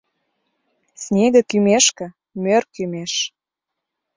Снеге кӱмешке, мӧр кӱмеш